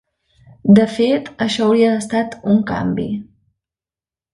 De fet, això hauria estat un canvi.